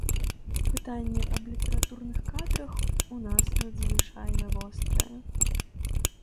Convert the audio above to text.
Пытанне аб літаратурных кадрах у нас надзвычайна вострае.